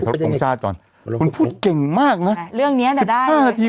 ทรงชาติก่อนคุณพูดเก่งมากนะเรื่องเนี้ยจะได้ห้านาที